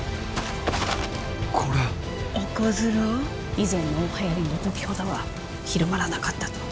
以前の大はやりの時ほどは広まらなかったと。